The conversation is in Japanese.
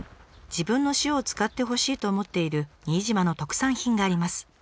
自分の塩を使ってほしいと思っている新島の特産品があります。